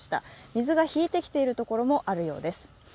水が引いてきている所もあるようです。